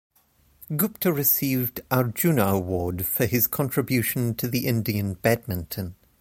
Gupta received Arjuna Award for his contribution to the Indian badminton.